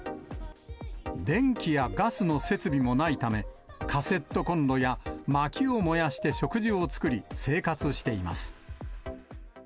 電気やガスの設備もないため、カセットコンロやまきを燃やして食事を作り、生活しています。